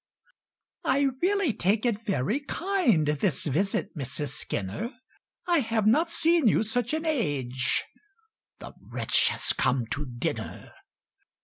"I really take it very kind, This visit, Mrs. Skinner! I have not seen you such an age (The wretch has come to dinner!)